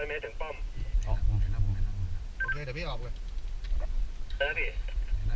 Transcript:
ร้อยเมตรถึงป้อมร้อยเมตรถึงป้อมโอเคเดี๋ยวพี่ออกเลย